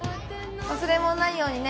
忘れ物ないようにね。